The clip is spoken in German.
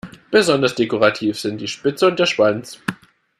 Besonders dekorativ sind die Spitze und der Schwanz.